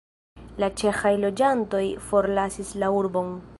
La ĉeĥaj loĝantoj forlasis la urbon.